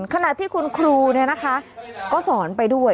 ขนาดที่คุณครูเนี่ยนะคะก็สอนไปด้วย